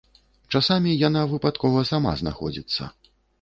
Часамі яна выпадкова сама знаходзіцца.